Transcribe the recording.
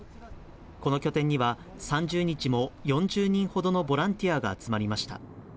この拠点には、３０日も４０人ほどのボランティアが集まりました。